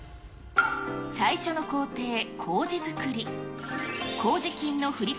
最初の工程、こうじ作り。